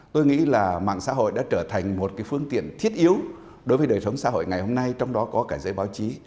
tôi nghĩ là mạng xã hội đã trở thành một phương tiện thiết yếu đối với đời sống xã hội ngày hôm nay trong đó có cả giới báo chí